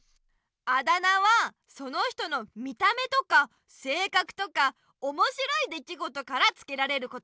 あだ名はその人の見た目とかせいかくとかおもしろいできごとからつけられることが多い。